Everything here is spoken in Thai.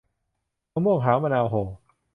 มะม่วงหาว มะนาวโห่